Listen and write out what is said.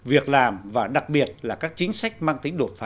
việc làm và đặc biệt là các chính sách mang tính đột phá